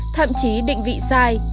thậm chí định vị sai